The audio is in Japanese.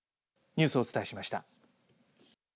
ニュースをお伝えしました。